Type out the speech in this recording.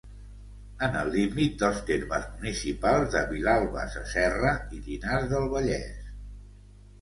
En el límit dels termes municipals de Vilalba Sasserra i Llinars del Vallès.